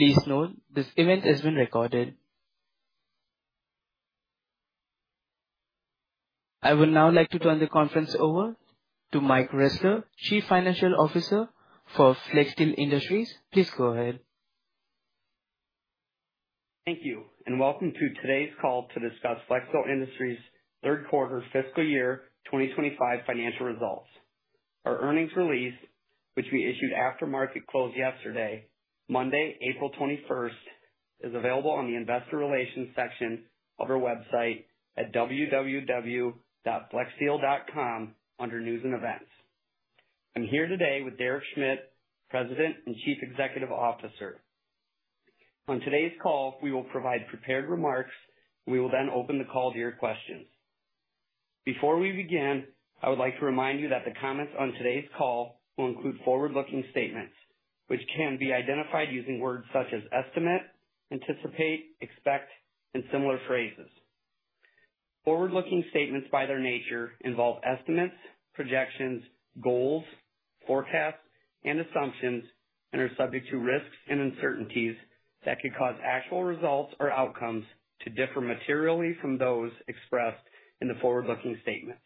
Please note, this event has been recorded. I would now like to turn the conference over to Mike Ressler, Chief Financial Officer for Flexsteel Industries. Please go ahead. Thank you, and welcome to today's call to discuss Flexsteel Industries' third quarter fiscal year 2025 financial results. Our earnings release, which we issued after market close yesterday, Monday, April 21, is available on the Investor Relations section of our website at www.flexsteel.com under News and Events. I'm here today with Derek Schmidt, President and Chief Executive Officer. On today's call, we will provide prepared remarks, and we will then open the call to your questions. Before we begin, I would like to remind you that the comments on today's call will include forward-looking statements, which can be identified using words such as estimate, anticipate, expect, and similar phrases. Forward-looking statements, by their nature, involve estimates, projections, goals, forecasts, and assumptions, and are subject to risks and uncertainties that could cause actual results or outcomes to differ materially from those expressed in the forward-looking statements.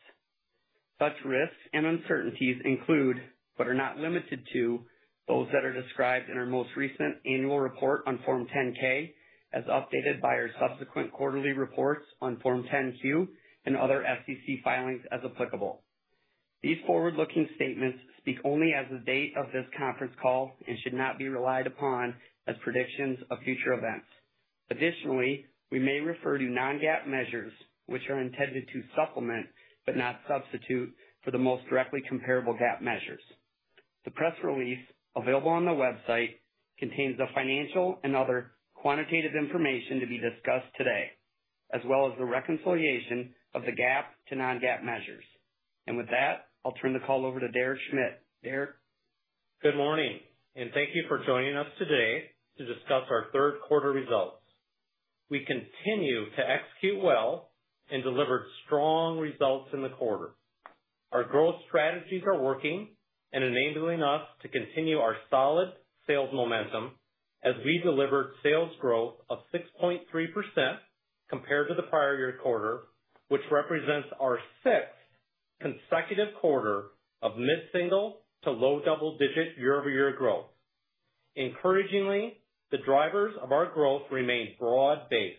Such risks and uncertainties include, but are not limited to, those that are described in our most recent annual report on Form 10-K, as updated by our subsequent quarterly reports on Form 10-Q, and other SEC filings as applicable. These forward-looking statements speak only as of the date of this conference call and should not be relied upon as predictions of future events. Additionally, we may refer to non-GAAP measures, which are intended to supplement but not substitute for the most directly comparable GAAP measures. The press release available on the website contains the financial and other quantitative information to be discussed today, as well as the reconciliation of the GAAP to non-GAAP measures. With that, I'll turn the call over to Derek Schmidt. Derek. Good morning, and thank you for joining us today to discuss our third quarter results. We continue to execute well and delivered strong results in the quarter. Our growth strategies are working and enabling us to continue our solid sales momentum as we delivered sales growth of 6.3% compared to the prior year quarter, which represents our sixth consecutive quarter of mid-single to low double-digit year-over-year growth. Encouragingly, the drivers of our growth remain broad-based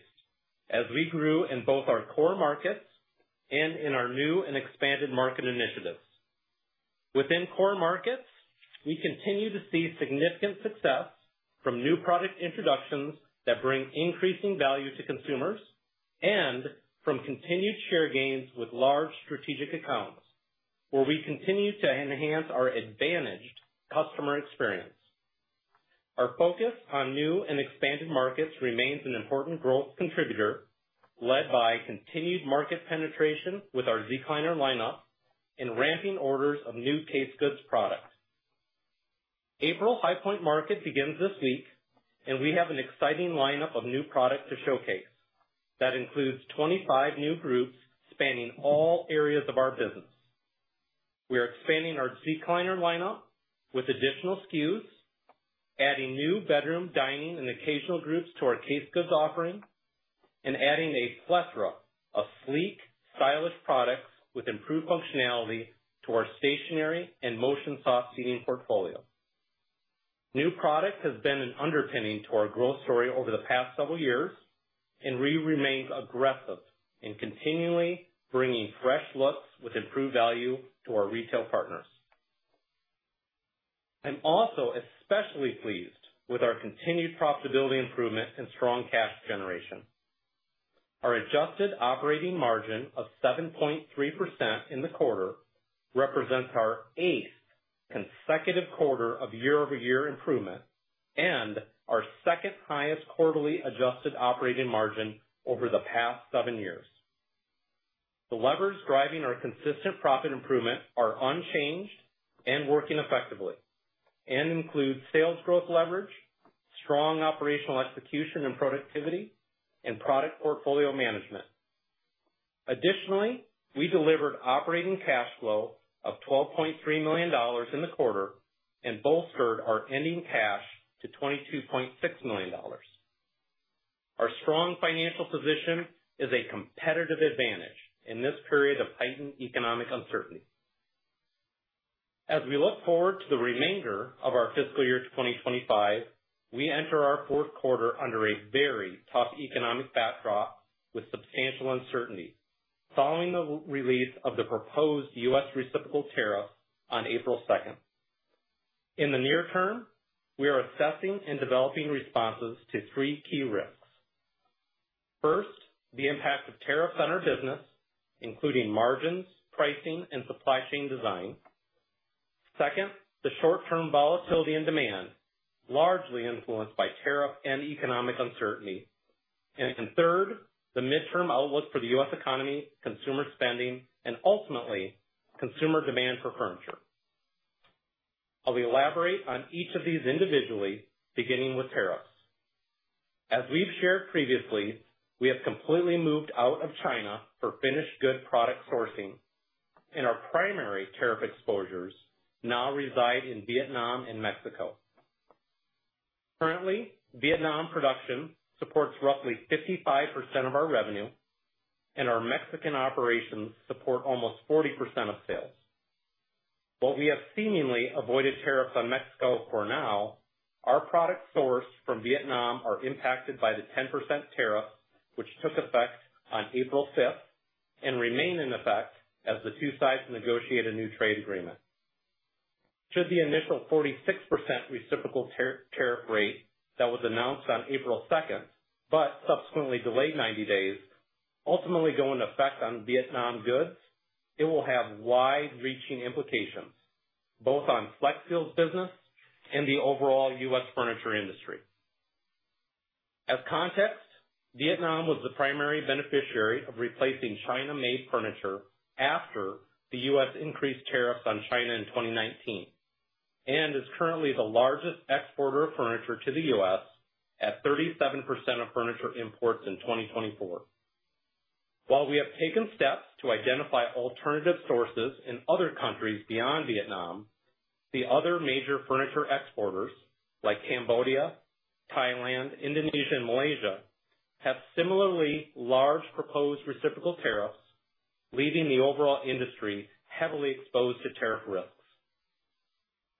as we grew in both our core markets and in our new and expanded market initiatives. Within core markets, we continue to see significant success from new product introductions that bring increasing value to consumers and from continued share gains with large strategic accounts, where we continue to enhance our advantaged customer experience. Our focus on new and expanded markets remains an important growth contributor, led by continued market penetration with our Z-Cliner lineup and ramping orders of new Case Goods product. April High Point Market begins this week, and we have an exciting lineup of new products to showcase that includes 25 new groups spanning all areas of our business. We are expanding our Z-Cliner lineup with additional SKUs, adding new bedroom, dining, and occasional groups to our Case Goods offering, and adding a plethora of sleek, stylish products with improved functionality to our stationary and motion soft seating portfolio. New product has been an underpinning to our growth story over the past several years, and we remain aggressive in continually bringing fresh looks with improved value to our retail partners. I'm also especially pleased with our continued profitability improvement and strong cash generation. Our adjusted operating margin of 7.3% in the quarter represents our eighth consecutive quarter of year-over-year improvement and our second highest quarterly adjusted operating margin over the past seven years. The levers driving our consistent profit improvement are unchanged and working effectively and include sales growth leverage, strong operational execution and productivity, and product portfolio management. Additionally, we delivered operating cash flow of $12.3 million in the quarter and bolstered our ending cash to $22.6 million. Our strong financial position is a competitive advantage in this period of heightened economic uncertainty. As we look forward to the remainder of our fiscal year 2025, we enter our fourth quarter under a very tough economic backdrop with substantial uncertainty following the release of the proposed U.S. reciprocal tariffs on April 2nd. In the near term, we are assessing and developing responses to three key risks. First, the impact of tariffs on our business, including margins, pricing, and supply chain design. Second, the short-term volatility in demand, largely influenced by tariff and economic uncertainty. Third, the midterm outlook for the U.S. economy, consumer spending, and ultimately consumer demand for furniture. I'll elaborate on each of these individually, beginning with tariffs. As we've shared previously, we have completely moved out of China for finished good product sourcing, and our primary tariff exposures now reside in Vietnam and Mexico. Currently, Vietnam production supports roughly 55% of our revenue, and our Mexican operations support almost 40% of sales. While we have seemingly avoided tariffs on Mexico for now, our products sourced from Vietnam are impacted by the 10% tariff, which took effect on April 5 and remains in effect as the two sides negotiate a new trade agreement. Should the initial 46% reciprocal tariff rate that was announced on April 2 but subsequently delayed 90 days ultimately go into effect on Vietnam goods, it will have wide-reaching implications both on Flexsteel's business and the overall U.S. furniture industry. As context, Vietnam was the primary beneficiary of replacing China-made furniture after the U.S. increased tariffs on China in 2019 and is currently the largest exporter of furniture to the U.S. at 37% of furniture imports in 2024. While we have taken steps to identify alternative sources in other countries beyond Vietnam, the other major furniture exporters, like Cambodia, Thailand, Indonesia, and Malaysia, have similarly large proposed reciprocal tariffs, leaving the overall industry heavily exposed to tariff risks.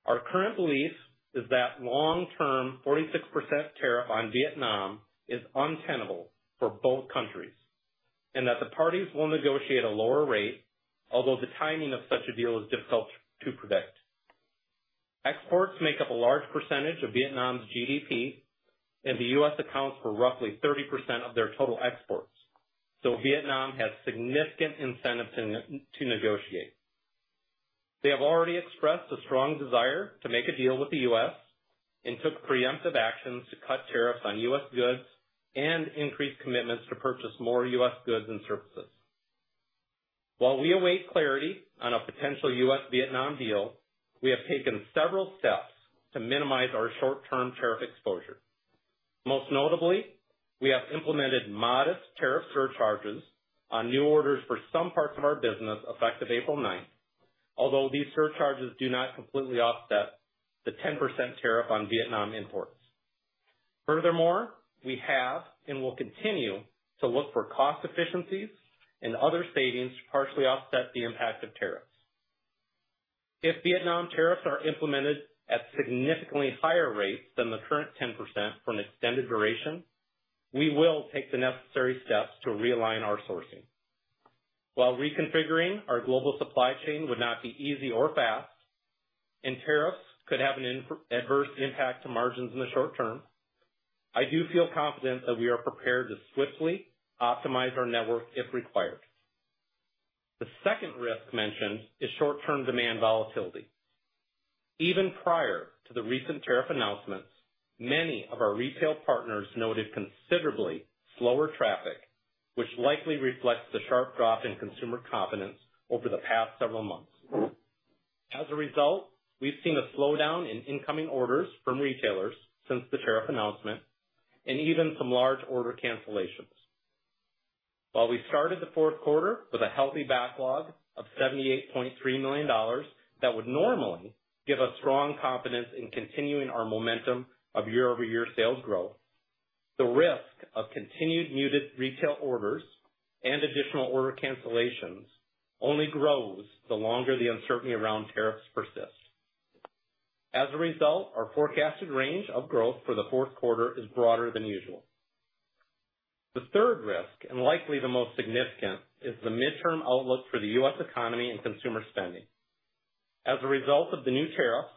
Our current belief is that long-term 46% tariff on Vietnam is untenable for both countries and that the parties will negotiate a lower rate, although the timing of such a deal is difficult to predict. Exports make up a large percentage of Vietnam's GDP, and the U.S. accounts for roughly 30% of their total exports, so Vietnam has significant incentives to negotiate. They have already expressed a strong desire to make a deal with the U.S. and took preemptive actions to cut tariffs on U.S. goods and increase commitments to purchase more U.S. goods and services. While we await clarity on a potential U.S.-Vietnam deal, we have taken several steps to minimize our short-term tariff exposure. Most notably, we have implemented modest tariff surcharges on new orders for some parts of our business effective April 9, although these surcharges do not completely offset the 10% tariff on Vietnam imports. Furthermore, we have and will continue to look for cost efficiencies and other savings to partially offset the impact of tariffs. If Vietnam tariffs are implemented at significantly higher rates than the current 10% for an extended duration, we will take the necessary steps to realign our sourcing. While reconfiguring our global supply chain would not be easy or fast, and tariffs could have an adverse impact on margins in the short term, I do feel confident that we are prepared to swiftly optimize our network if required. The second risk mentioned is short-term demand volatility. Even prior to the recent tariff announcements, many of our retail partners noted considerably slower traffic, which likely reflects the sharp drop in consumer confidence over the past several months. As a result, we've seen a slowdown in incoming orders from retailers since the tariff announcement and even some large order cancellations. While we started the fourth quarter with a healthy backlog of $78.3 million that would normally give us strong confidence in continuing our momentum of year-over-year sales growth, the risk of continued muted retail orders and additional order cancellations only grows the longer the uncertainty around tariffs persists. As a result, our forecasted range of growth for the fourth quarter is broader than usual. The third risk, and likely the most significant, is the midterm outlook for the U.S. economy and consumer spending. As a result of the new tariffs,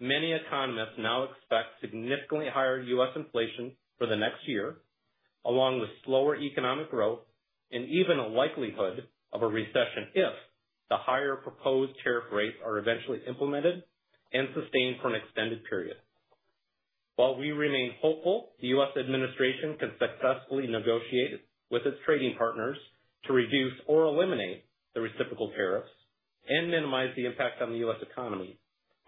many economists now expect significantly higher U.S. inflation for the next year, along with slower economic growth and even a likelihood of a recession if the higher proposed tariff rates are eventually implemented and sustained for an extended period. While we remain hopeful the U.S. administration can successfully negotiate with its trading partners to reduce or eliminate the reciprocal tariffs and minimize the impact on the U.S. economy,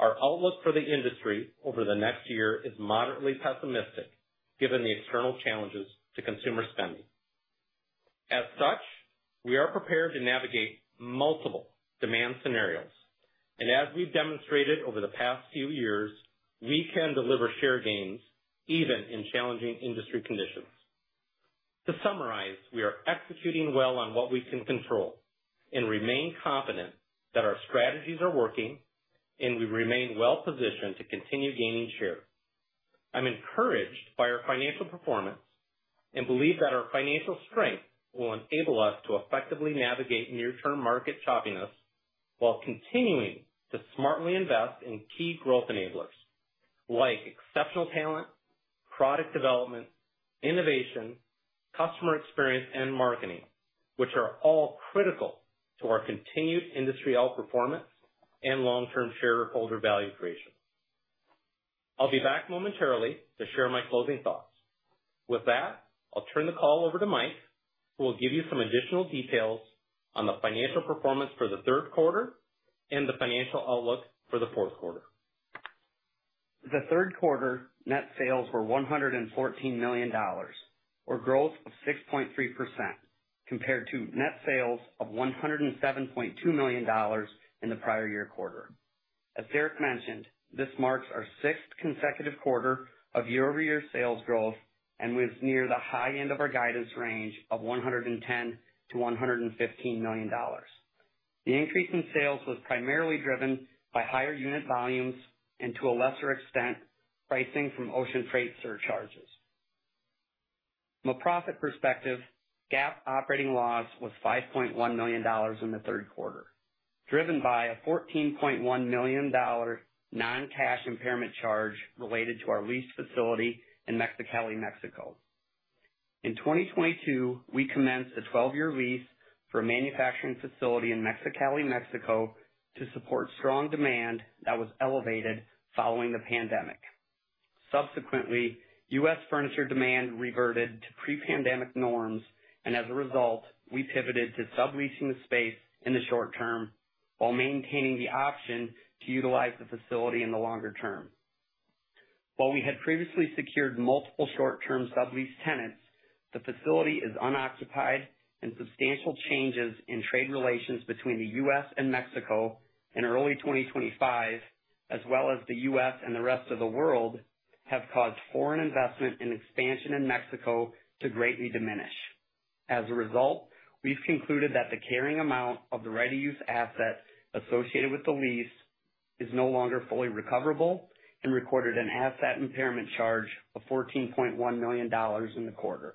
our outlook for the industry over the next year is moderately pessimistic given the external challenges to consumer spending. As such, we are prepared to navigate multiple demand scenarios, and as we've demonstrated over the past few years, we can deliver share gains even in challenging industry conditions. To summarize, we are executing well on what we can control and remain confident that our strategies are working, and we remain well positioned to continue gaining share. I'm encouraged by our financial performance and believe that our financial strength will enable us to effectively navigate near-term market choppiness while continuing to smartly invest in key growth enablers like exceptional talent, product development, innovation, customer experience, and marketing, which are all critical to our continued industry outperformance and long-term shareholder value creation. I'll be back momentarily to share my closing thoughts. With that, I'll turn the call over to Mike, who will give you some additional details on the financial performance for the third quarter and the financial outlook for the fourth quarter. The third quarter net sales were $114 million, or growth of 6.3%, compared to net sales of $107.2 million in the prior year quarter. As Derek mentioned, this marks our sixth consecutive quarter of year-over-year sales growth and was near the high end of our guidance range of $110-$115 million. The increase in sales was primarily driven by higher unit volumes and, to a lesser extent, pricing from ocean freight surcharges. From a profit perspective, GAAP operating loss was $5.1 million in the third quarter, driven by a $14.1 million non-cash impairment charge related to our lease facility in Mexicali, Mexico. In 2022, we commenced a 12-year lease for a manufacturing facility in Mexicali, Mexico, to support strong demand that was elevated following the pandemic. Subsequently, U.S. Furniture demand reverted to pre-pandemic norms, and as a result, we pivoted to subleasing the space in the short term while maintaining the option to utilize the facility in the longer term. While we had previously secured multiple short-term sublease tenants, the facility is unoccupied, and substantial changes in trade relations between the U.S. and Mexico in early 2025, as well as the U.S. and the rest of the world, have caused foreign investment and expansion in Mexico to greatly diminish. As a result, we've concluded that the carrying amount of the ready-use asset associated with the lease is no longer fully recoverable and recorded an asset impairment charge of $14.1 million in the quarter.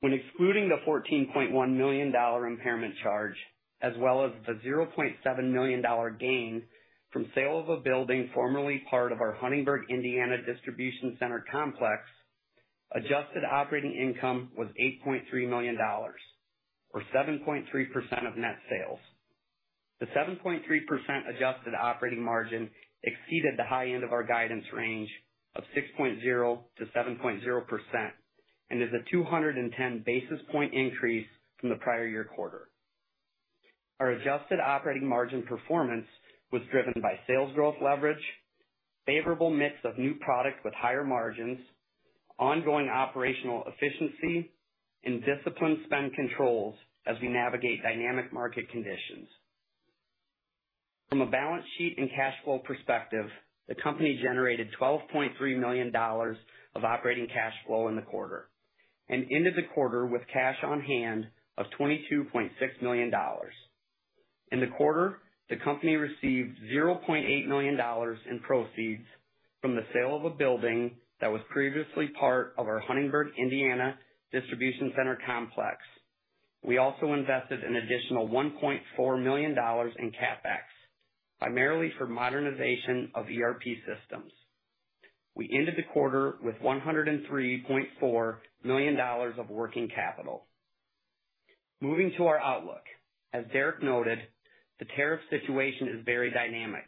When excluding the $14.1 million impairment charge, as well as the $0.7 million gain from sale of a building formerly part of our Huntingburg, Indiana distribution center complex, adjusted operating income was $8.3 million, or 7.3% of net sales. The 7.3% adjusted operating margin exceeded the high end of our guidance range of 6.0-7.0% and is a 210 basis point increase from the prior year quarter. Our adjusted operating margin performance was driven by sales growth leverage, favorable mix of new product with higher margins, ongoing operational efficiency, and disciplined spend controls as we navigate dynamic market conditions. From a balance sheet and cash flow perspective, the company generated $12.3 million of operating cash flow in the quarter and ended the quarter with cash on hand of $22.6 million. In the quarter, the company received $0.8 million in proceeds from the sale of a building that was previously part of our Huntingburg, Indiana distribution center complex. We also invested an additional $1.4 million in CapEx, primarily for modernization of ERP systems. We ended the quarter with $103.4 million of working capital. Moving to our outlook, as Derek noted, the tariff situation is very dynamic,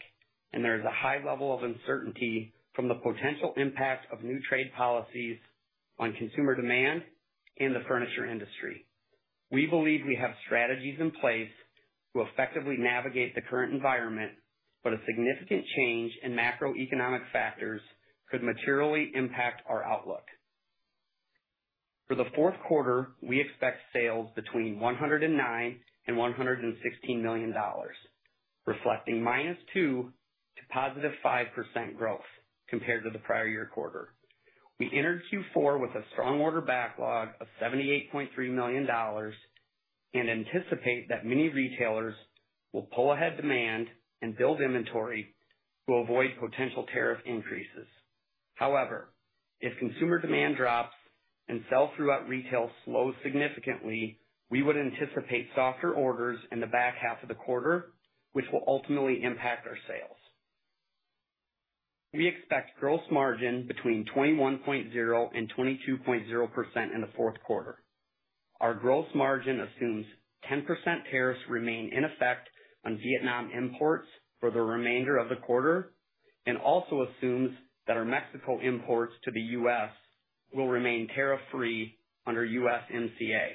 and there is a high level of uncertainty from the potential impact of new trade policies on consumer demand and the furniture industry. We believe we have strategies in place to effectively navigate the current environment, but a significant change in macroeconomic factors could materially impact our outlook. For the fourth quarter, we expect sales between $109 million and $116 million, reflecting -2% to +5% growth compared to the prior year quarter. We entered Q4 with a strong order backlog of $78.3 million and anticipate that many retailers will pull ahead demand and build inventory to avoid potential tariff increases. However, if consumer demand drops and sales throughout retail slow significantly, we would anticipate softer orders in the back half of the quarter, which will ultimately impact our sales. We expect gross margin between 21.0-22.0% in the fourth quarter. Our gross margin assumes 10% tariffs remain in effect on Vietnam imports for the remainder of the quarter and also assumes that our Mexico imports to the U.S. will remain tariff-free under USMCA.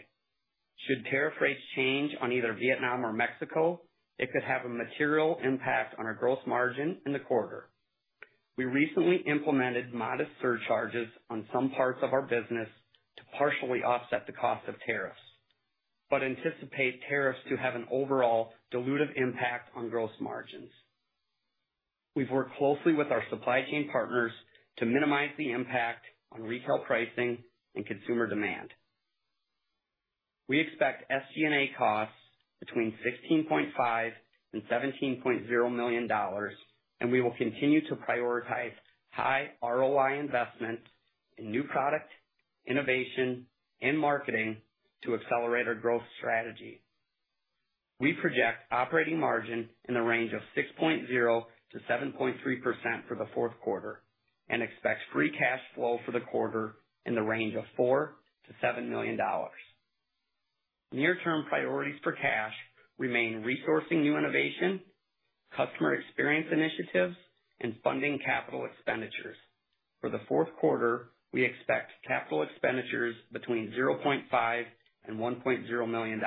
Should tariff rates change on either Vietnam or Mexico, it could have a material impact on our gross margin in the quarter. We recently implemented modest surcharges on some parts of our business to partially offset the cost of tariffs but anticipate tariffs to have an overall dilutive impact on gross margins. We've worked closely with our supply chain partners to minimize the impact on retail pricing and consumer demand. We expect SG&A costs between $16.5-$17.0 million, and we will continue to prioritize high ROI investment in new product, innovation, and marketing to accelerate our growth strategy. We project operating margin in the range of 6.0%-7.3% for the fourth quarter and expect free cash flow for the quarter in the range of $4-$7 million. Near-term priorities for cash remain resourcing new innovation, customer experience initiatives, and funding capital expenditures. For the fourth quarter, we expect capital expenditures between $0.5-$1.0 million,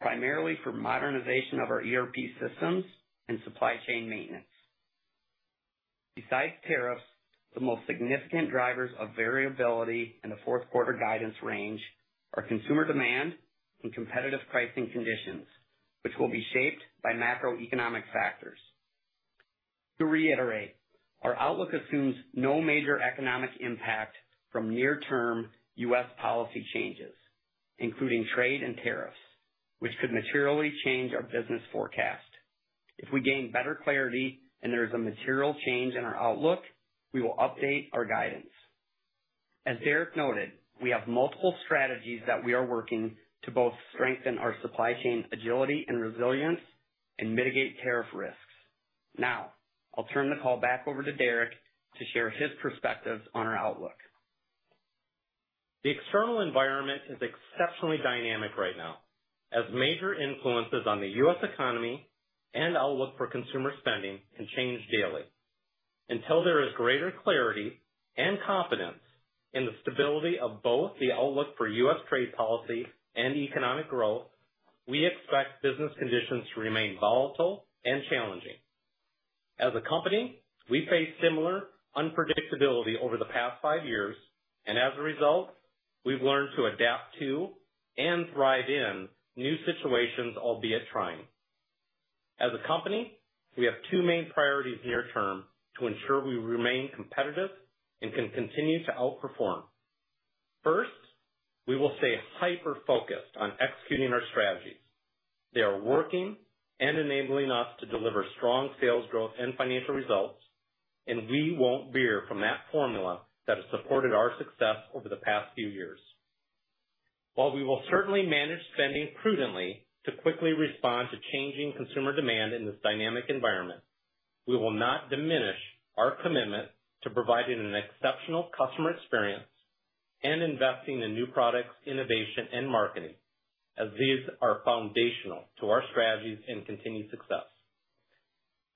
primarily for modernization of our ERP systems and supply chain maintenance. Besides tariffs, the most significant drivers of variability in the fourth quarter guidance range are consumer demand and competitive pricing conditions, which will be shaped by macroeconomic factors. To reiterate, our outlook assumes no major economic impact from near-term U.S. policy changes, including trade and tariffs, which could materially change our business forecast. If we gain better clarity and there is a material change in our outlook, we will update our guidance. As Derek noted, we have multiple strategies that we are working to both strengthen our supply chain agility and resilience and mitigate tariff risks. Now, I'll turn the call back over to Derek to share his perspectives on our outlook. The external environment is exceptionally dynamic right now, as major influences on the U.S. economy and outlook for consumer spending can change daily. Until there is greater clarity and confidence in the stability of both the outlook for U.S. trade policy and economic growth, we expect business conditions to remain volatile and challenging. As a company, we faced similar unpredictability over the past five years, and as a result, we've learned to adapt to and thrive in new situations, albeit trying. As a company, we have two main priorities near-term to ensure we remain competitive and can continue to outperform. First, we will stay hyper-focused on executing our strategies. They are working and enabling us to deliver strong sales growth and financial results, and we won't veer from that formula that has supported our success over the past few years. While we will certainly manage spending prudently to quickly respond to changing consumer demand in this dynamic environment, we will not diminish our commitment to providing an exceptional customer experience and investing in new products, innovation, and marketing, as these are foundational to our strategies and continued success.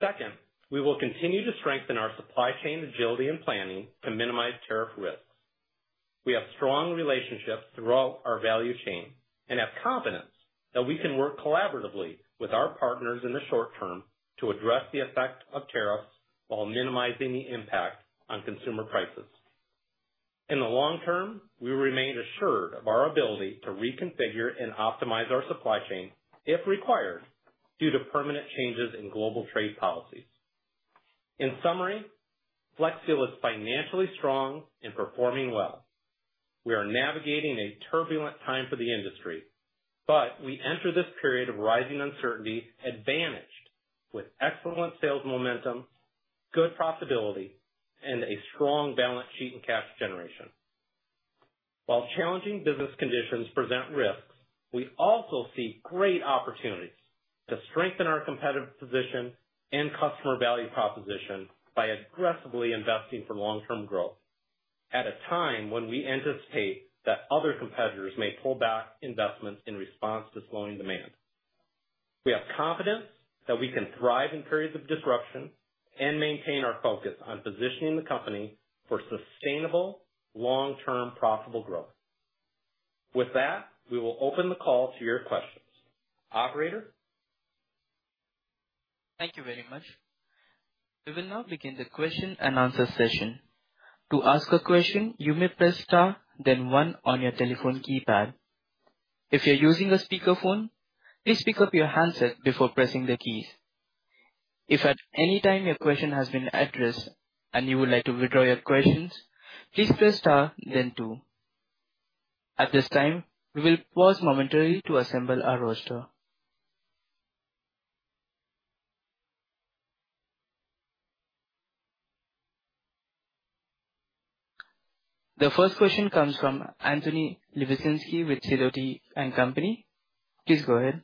Second, we will continue to strengthen our supply chain agility and planning to minimize tariff risks. We have strong relationships throughout our value chain and have confidence that we can work collaboratively with our partners in the short term to address the effect of tariffs while minimizing the impact on consumer prices. In the long term, we remain assured of our ability to reconfigure and optimize our supply chain if required due to permanent changes in global trade policies. In summary, Flexsteel is financially strong and performing well. We are navigating a turbulent time for the industry, but we enter this period of rising uncertainty advantaged with excellent sales momentum, good profitability, and a strong balance sheet and cash generation. While challenging business conditions present risks, we also see great opportunities to strengthen our competitive position and customer value proposition by aggressively investing for long-term growth at a time when we anticipate that other competitors may pull back investments in response to slowing demand. We have confidence that we can thrive in periods of disruption and maintain our focus on positioning the company for sustainable, long-term profitable growth. With that, we will open the call to your questions. Operator? Thank you very much. We will now begin the question and answer session. To ask a question, you may press Star, then 1 on your telephone keypad. If you're using a speakerphone, please pick up your handset before pressing the keys. If at any time your question has been addressed and you would like to withdraw your questions, please press Star, then 2. At this time, we will pause momentarily to assemble our roster. The first question comes from Anthony Lebiedzinski with SIDOTI & COMPANY. Please go ahead.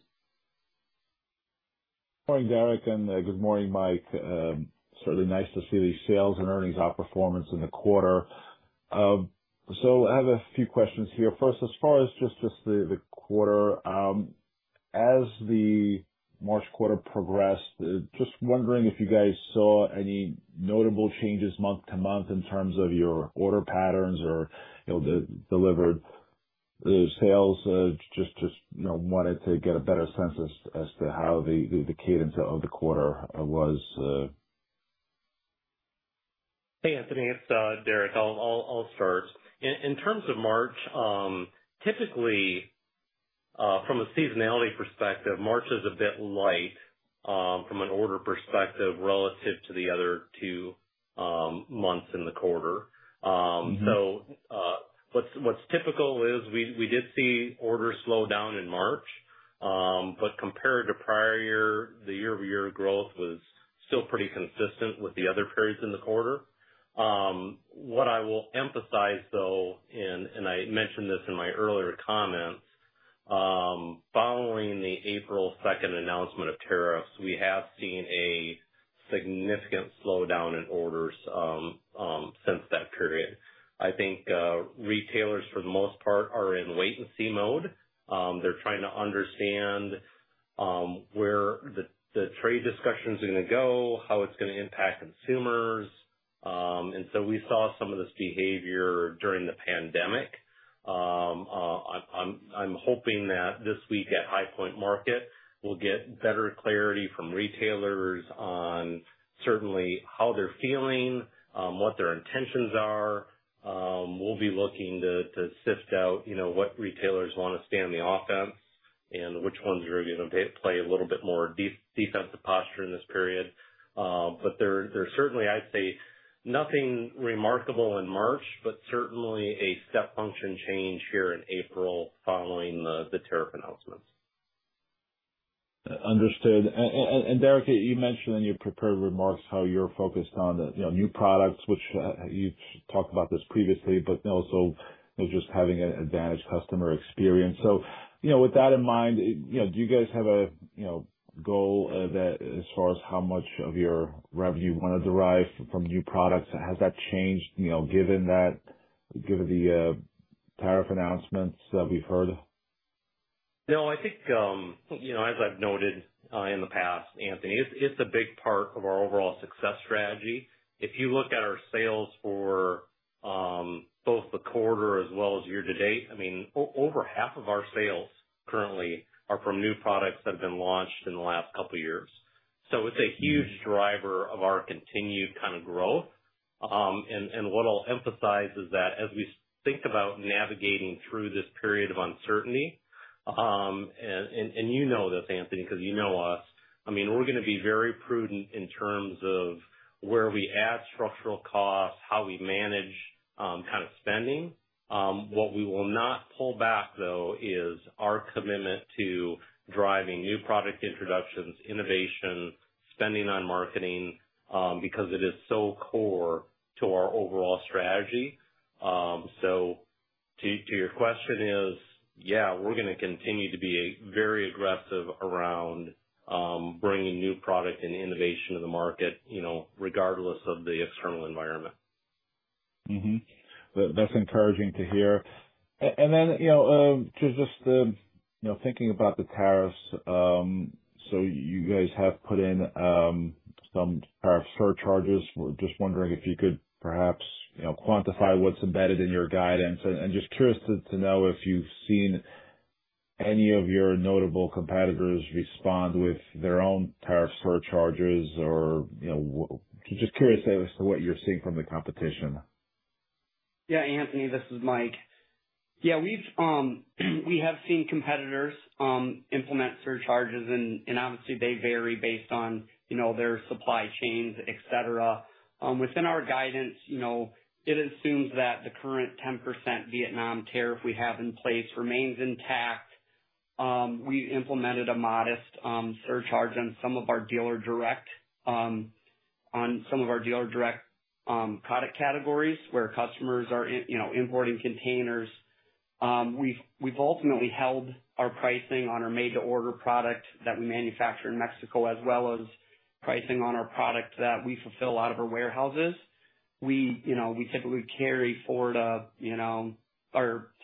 Good morning, Derek, and good morning, Mike. Certainly nice to see the sales and earnings outperformance in the quarter. I have a few questions here. First, as far as just the quarter, as the March quarter progressed, just wondering if you guys saw any notable changes month to month in terms of your order patterns or delivered sales. I just wanted to get a better sense as to how the cadence of the quarter was. Hey, Anthony. It's Derek. I'll start. In terms of March, typically, from a seasonality perspective, March is a bit light from an order perspective relative to the other two months in the quarter. What is typical is we did see orders slow down in March, but compared to prior year, the year-over-year growth was still pretty consistent with the other periods in the quarter. What I will emphasize, though, and I mentioned this in my earlier comments, following the April 2nd announcement of tariffs, we have seen a significant slowdown in orders since that period. I think retailers, for the most part, are in wait-and-see mode. They're trying to understand where the trade discussions are going to go, how it's going to impact consumers. We saw some of this behavior during the pandemic. I'm hoping that this week, at High Point Market, we'll get better clarity from retailers on certainly how they're feeling, what their intentions are. We'll be looking to sift out what retailers want to stay on the offense and which ones are going to play a little bit more defensive posture in this period. There's certainly, I'd say, nothing remarkable in March, but certainly a step function change here in April following the tariff announcements. Understood. Derek, you mentioned in your prepared remarks how you're focused on new products, which you've talked about this previously, but also just having an advantaged customer experience. With that in mind, do you guys have a goal as far as how much of your revenue you want to derive from new products? Has that changed given the tariff announcements that we've heard? No, I think, as I've noted in the past, Anthony, it's a big part of our overall success strategy. If you look at our sales for both the quarter as well as year to date, I mean, over half of our sales currently are from new products that have been launched in the last couple of years. It is a huge driver of our continued kind of growth. What I'll emphasize is that as we think about navigating through this period of uncertainty, and you know this, Anthony, because you know us, I mean, we're going to be very prudent in terms of where we add structural costs, how we manage kind of spending. What we will not pull back, though, is our commitment to driving new product introductions, innovation, spending on marketing, because it is so core to our overall strategy. To your question is, yeah, we're going to continue to be very aggressive around bringing new product and innovation to the market regardless of the external environment. That's encouraging to hear. Just thinking about the tariffs, you guys have put in some tariff surcharges. We're just wondering if you could perhaps quantify what's embedded in your guidance. Just curious to know if you've seen any of your notable competitors respond with their own tariff surcharges or just curious as to what you're seeing from the competition? Yeah, Anthony, this is Mike. Yeah, we have seen competitors implement surcharges, and obviously, they vary based on their supply chains, etc. Within our guidance, it assumes that the current 10% Vietnam tariff we have in place remains intact. We implemented a modest surcharge on some of our dealer direct product categories where customers are importing containers. We've ultimately held our pricing on our made-to-order product that we manufacture in Mexico as well as pricing on our product that we fulfill out of our warehouses. We typically carry forward our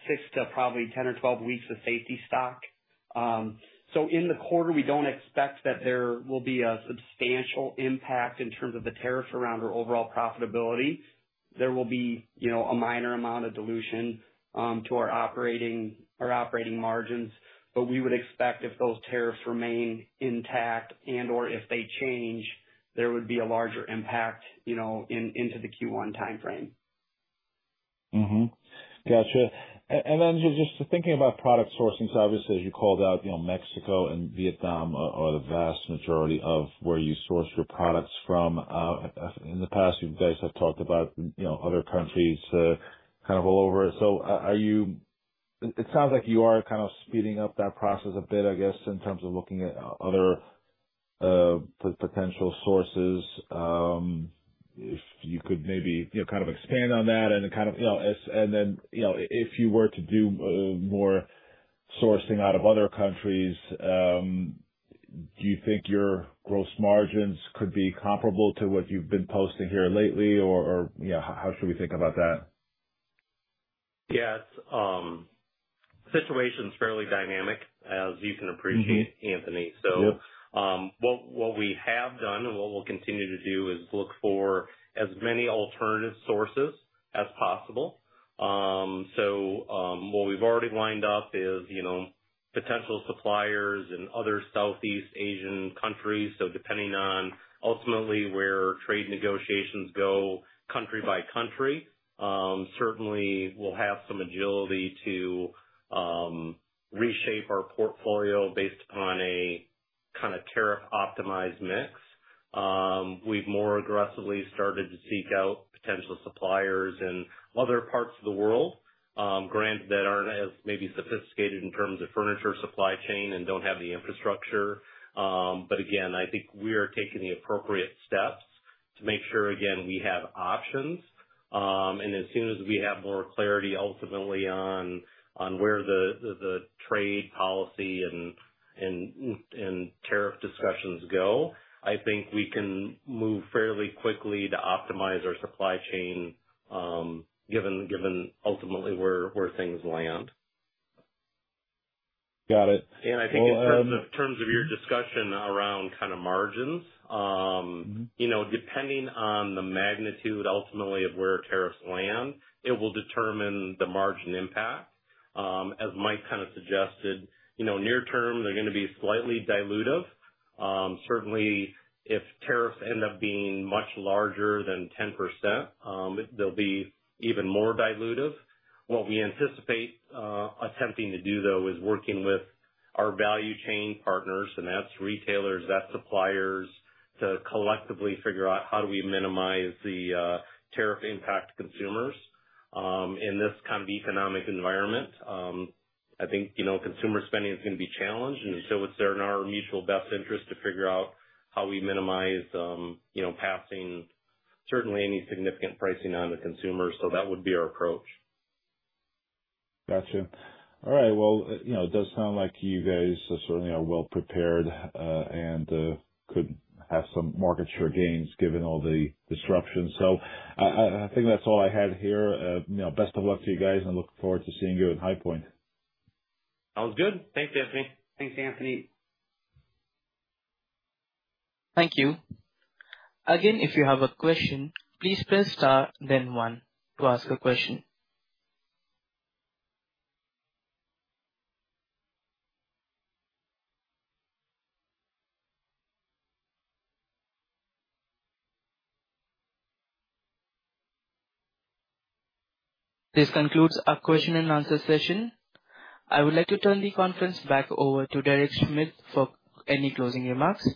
six to probably 10 or 12 weeks of safety stock. In the quarter, we do not expect that there will be a substantial impact in terms of the tariffs around our overall profitability. There will be a minor amount of dilution to our operating margins, but we would expect if those tariffs remain intact and/or if they change, there would be a larger impact into the Q1 timeframe. Gotcha. Just thinking about product sourcing, obviously, as you called out, Mexico and Vietnam are the vast majority of where you source your products from. In the past, you guys have talked about other countries kind of all over. It sounds like you are kind of speeding up that process a bit, I guess, in terms of looking at other potential sources. If you could maybe kind of expand on that and then if you were to do more sourcing out of other countries, do you think your gross margins could be comparable to what you've been posting here lately? Or how should we think about that? Yeah, situation's fairly dynamic, as you can appreciate, Anthony. What we have done and what we'll continue to do is look for as many alternative sources as possible. What we've already lined up is potential suppliers in other Southeast Asian countries. Depending on ultimately where trade negotiations go country by country, certainly we'll have some agility to reshape our portfolio based upon a kind of tariff-optimized mix. We've more aggressively started to seek out potential suppliers in other parts of the world, granted that aren't as maybe sophisticated in terms of furniture supply chain and don't have the infrastructure. Again, I think we are taking the appropriate steps to make sure, again, we have options. As soon as we have more clarity ultimately on where the trade policy and tariff discussions go, I think we can move fairly quickly to optimize our supply chain given ultimately where things land. Got it. I think in terms of your discussion around kind of margins, depending on the magnitude ultimately of where tariffs land, it will determine the margin impact. As Mike kind of suggested, near-term, they're going to be slightly dilutive. Certainly, if tariffs end up being much larger than 10%, they'll be even more dilutive. What we anticipate attempting to do, though, is working with our value chain partners, and that's retailers, that's suppliers, to collectively figure out how do we minimize the tariff impact to consumers in this kind of economic environment. I think consumer spending is going to be challenged, and so it's in our mutual best interest to figure out how we minimize passing certainly any significant pricing on to consumers. That would be our approach. Gotcha. All right. It does sound like you guys certainly are well prepared and could have some market share gains given all the disruption. I think that's all I had here. Best of luck to you guys, and look forward to seeing you at High Point. Sounds good. Thanks, Anthony. Thanks, Anthony. Thank you. Again, if you have a question, please press Star, then 1, to ask a question. This concludes our question and answer session. I would like to turn the conference back over to Derek Schmidt for any closing remarks.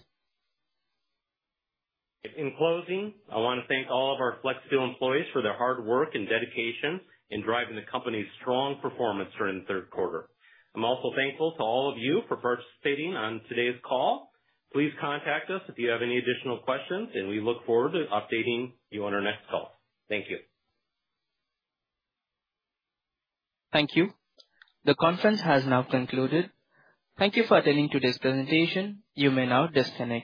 In closing, I want to thank all of our Flexsteel employees for their hard work and dedication in driving the company's strong performance during the third quarter. I'm also thankful to all of you for participating on today's call. Please contact us if you have any additional questions, and we look forward to updating you on our next call. Thank you. Thank you. The conference has now concluded. Thank you for attending today's presentation. You may now disconnect.